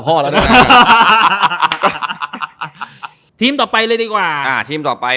คุณตำราสอธิบาย